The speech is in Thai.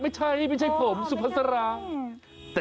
ไม่ใช่ไม่ใช่ผมสุภาษารา